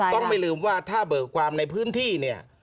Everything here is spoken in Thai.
ต้องไม่ลืมว่าถ้าเบิกความในพื้นที่เนี่ย